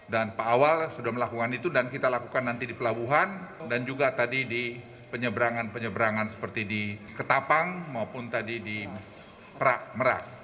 dan pak awal sudah melakukan itu dan kita lakukan nanti di pelabuhan dan juga tadi di penyeberangan penyeberangan seperti di ketapang maupun tadi di merak